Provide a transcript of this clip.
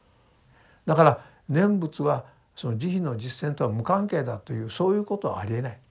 だから念仏はその慈悲の実践とは無関係だというそういうことはありえない。